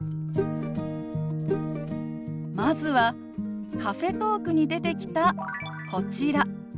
まずはカフェトークに出てきたこちら。